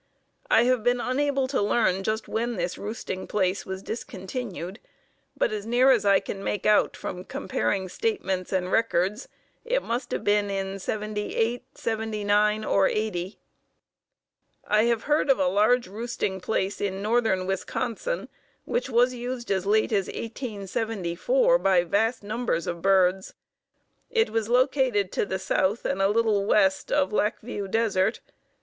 I have been unable to learn just when this roosting place was discontinued, but as near as I can make out from comparing statements and records, it must have been in '78, '79, or '80. I have heard of a large roosting place in northern Wisconsin which was used as late as 1874 by vast numbers of birds. It was located to the south and a little west of Lac Vieux Desert.